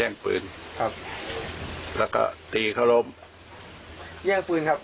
ย่างปืนเราก็ตีเขารมย่างปืนครับ